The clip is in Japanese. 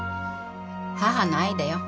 母の愛だよ。